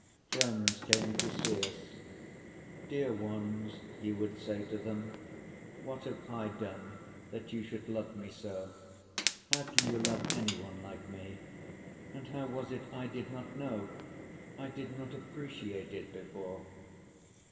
Friends came to see us. "Dear ones," he would say to them, "what have I done that you should love me so, how can you love any one like me, and how was it I did not know, I did not appreciate it before?"